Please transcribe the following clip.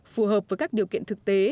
phù hợp với các điều kiện thực tế